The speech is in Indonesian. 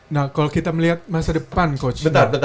nah kalau kita melihat masa depan coach